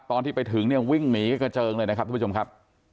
ตอนที่ไปถึงเนี่ยวิ่งหนีกระเจิงเลยนะครับทุกผู้ชมครับ